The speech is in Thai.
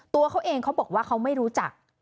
ตัวเขาเองเขาบอกว่าเขาไม่รู้จัก